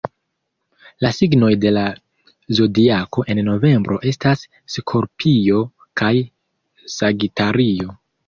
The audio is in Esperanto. La signoj de la Zodiako en novembro estas Skorpio kaj Sagitario.